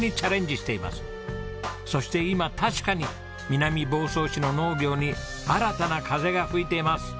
そして今確かに南房総市の農業に新たな風が吹いています。